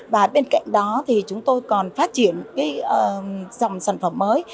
và bên cạnh đó thì chúng tôi còn phát triển cái dòng sản phẩm mới